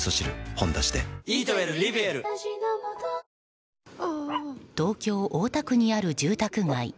「ほんだし」で東京・大田区にある住宅街。